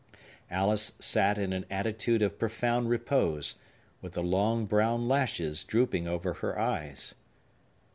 Alice sat in an attitude of profound repose, with the long brown lashes drooping over her eyes.